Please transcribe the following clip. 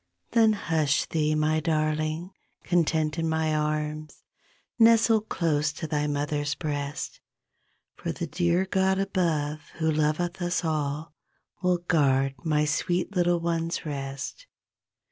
Then hush thee my darling Content in my arms, Nestle close to thy mother's breast; For the dear God above Who loveth us all Will guard my sweet little ones rest.